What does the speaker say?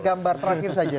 gambar terakhir saja